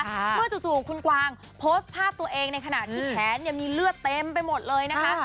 เมื่อจู่คุณกวางโพสต์ภาพตัวเองในขณะที่แขนมีเลือดเต็มไปหมดเลยนะคะ